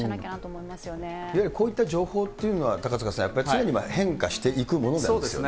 いわゆるこういった情報というのは、高塚さん、やっぱり常に変化していくものですよね。